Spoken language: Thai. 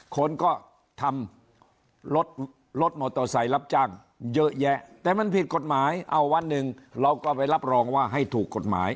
คนก็ทำรถรถมอเตอร์ไซค์รับจ้างเยอะแยะแต่มันผิดกฎหมายเอาวันหนึ่งเราก็ไปรับรองว่าให้ถูกกฎหมาย